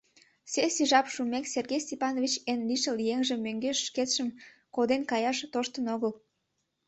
Сессий жап шумек, Сергей Степанович эн лишыл еҥжым мӧҥгеш шкетшым коден каяш тоштын огыл.